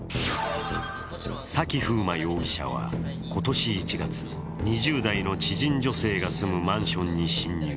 崎楓真容疑者は今年１月、２０代の知人女性が住むマンションに侵入。